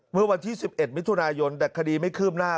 เมื่อวันที่๑๑มิถุนายนแต่คดีไม่คืบหน้า